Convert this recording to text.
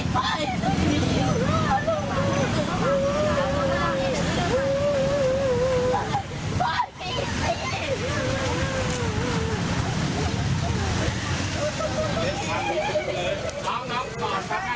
พ่อแม่มาเห็นสภาพศพของลูกร้องไห้กันครับขาดใจ